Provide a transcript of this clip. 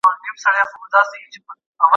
ایا د هغې پښې د ډېرې ناستې له امله درد کوي؟